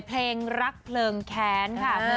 เพลงรักพลึงแค้น